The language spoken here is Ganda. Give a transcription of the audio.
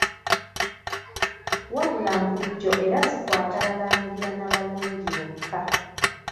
Wabula mpujjo era zikwata balangira na balungi bokka.